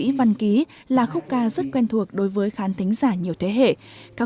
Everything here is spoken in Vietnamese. đạt giải nhi sao mai hai nghìn một mươi ba là khúc ca rất quen thuộc đối với khán thính giả nhiều thế hệ các